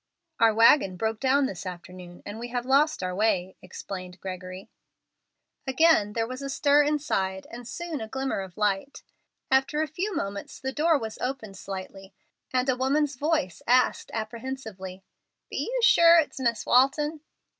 "Our wagon broke down this afternoon, and we have lost our way," explained Gregory. Again there was a stir inside, and soon a glimmer of light. After a few moments the door was opened slightly, and a woman's voice asked, apprehensively, "Be you sure it's Miss Walton?"